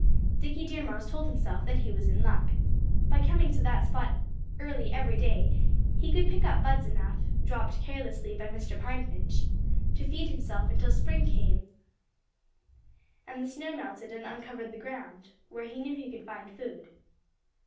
Dickie Deer Mouse told himself that he was in luck. By coming to that spot early every day he could pick up buds enough dropped carelessly by Mr. Pine Finch to feed himself until spring came and the snow melted and uncovered the ground, where he knew he could find food.